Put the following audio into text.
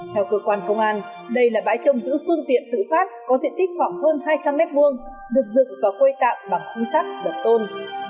theo cơ quan công an đây là bãi trông giữ phương tiện tự phát có diện tích khoảng hơn hai trăm linh m hai được dựng và quây tạm bằng khung sắt đập tôn